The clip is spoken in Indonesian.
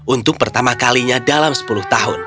untuk pertama kalinya dalam sepuluh tahun